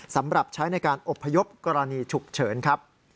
สำหรับใช้ในการอบพยพกรณีฉุกเฉินครับ